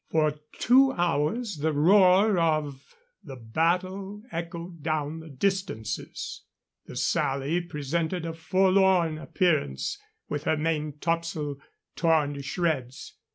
For two hours the roar of the battle echoed down the distances. The Sally presented a forlorn appearance with her main topsail torn to shreds.